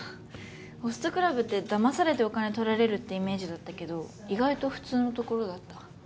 ホストクラブってだまされてお金取られるってイメージだったけど意外と普通のところだった。